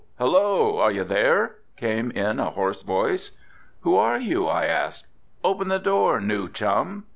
Hello! are you there!" came in a hoarse voice. "Who are you?" I asked. "Open the door, new chum."